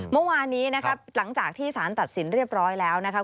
เมื่อวานนี้นะครับหลังจากที่สารตัดสินเรียบร้อยแล้วนะคะ